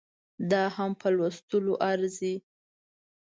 دا هم په لوستلو ارزي